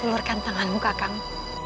kelurkan tanganmu kakakmu